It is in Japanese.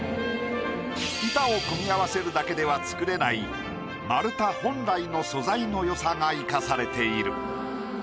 板を組み合わせるだけでは作れない丸太本来の素材の良さが生かされている。